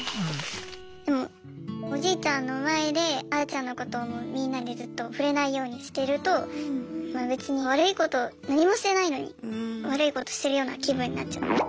でもおじいちゃんの前であーちゃんのことをみんなでずっと触れないようにしてると別に悪いこと何もしてないのに悪いことしてるような気分になっちゃう。